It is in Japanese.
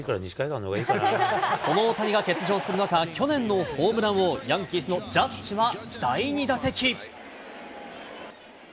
その大谷が欠場する中、去年のホームラン王、ヤンキースのジャッジは第２打席。